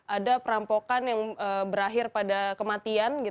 ada perampokan yang berakhir pada kematian